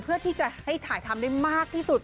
เพื่อที่จะให้ถ่ายทำได้มากที่สุด